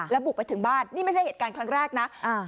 บุกไปถึงบ้านนี่ไม่ใช่เหตุการณ์ครั้งแรกนะ